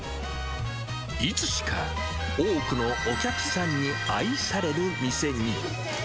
いつしか多くのお客さんに愛される店に。